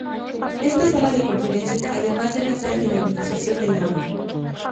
Esta sala de conferencias además es la sede de la administración de la Orden.